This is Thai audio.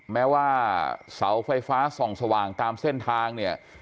แม้ว่าเสาไฟฟ้าส่องสว่างตามเส้นทางเนี่ย